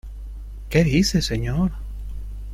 ¿ qué dice, señor?